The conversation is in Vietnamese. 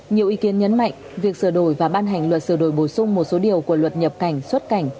nhiều ý kiến nhấn mạnh việc sửa đổi và ban hành luật sửa đổi bổ sung một số điều của luật nhập cảnh xuất cảnh